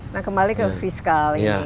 nah kembali ke fiskal ini